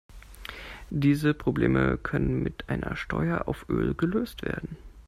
Diese Probleme können mit einer Steuer auf Öl gelöst werden.